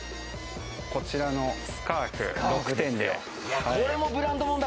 こちらのスカーフ６点で。